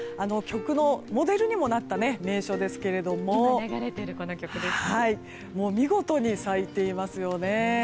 曲のモデルにもなった名所ですが見事に咲いていますよね。